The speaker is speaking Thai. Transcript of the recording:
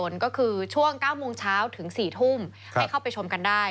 ถึง๔ทุ่มให้เข้าไปชมกันได้